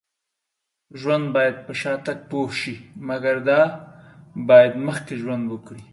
ژوند باید په شاتګ پوه شي. مګر دا باید مخکې ژوند وکړي